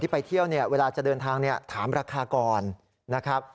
ไปเที่ยวเนี่ยเวลาจะเดินทางถามราคาก่อนนะครับ